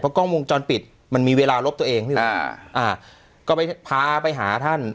เพราะกล้องวงจรปิดมันมีเวลารบตัวเองอ่าอ่าก็ไปพาไปหาท่าน